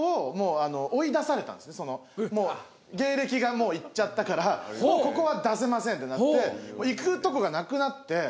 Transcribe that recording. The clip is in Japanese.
もう芸歴がもういっちゃったからもうここは出せませんってなって行くとこがなくなって。